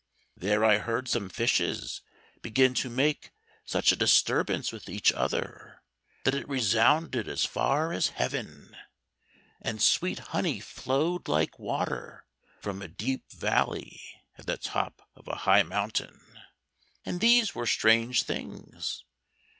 There I heard some fishes begin to make such a disturbance with each other, that it resounded as far as heaven, and sweet honey flowed like water from a deep valley at the top of a high mountain, and these were strange things.